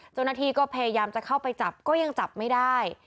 เจ้าหน้าที่ก็พยายามจะเข้าไปจับก็ยังจับไม่ได้